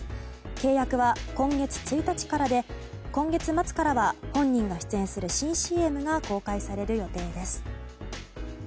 契約は今月１日からで今月末からは本人が出演する新ＣＭが公開される予定です。